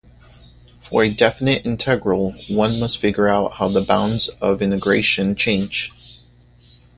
For a definite integral, one must figure out how the bounds of integration change.